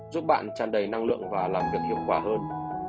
giúp bạn tràn đầy năng lượng và làm việc hiệu quả hơn